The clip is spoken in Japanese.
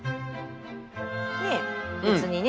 ねえ別にね。